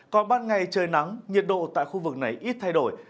còn ban ngày trời nắng nhiệt độ tại khu vực này ít thay đổi